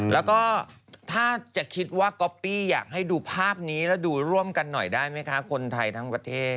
แล้วก็ถ้าจะคิดว่าก๊อปปี้อยากให้ดูภาพนี้แล้วดูร่วมกันหน่อยได้ไหมคะคนไทยทั้งประเทศ